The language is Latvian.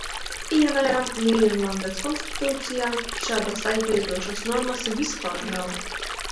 Piemēram, Nīderlandes konstitūcijā šādas aizliedzošas normas vispār nav.